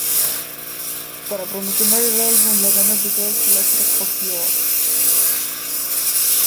Para promocionar el álbum, la banda encabezó la gira Fuck You All.